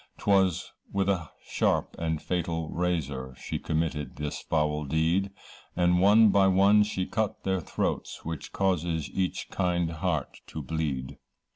'Twas with a sharp and fatal razor, She committed this foul deed, And one by one she cut their throats, Which causes each kind heart to bleed.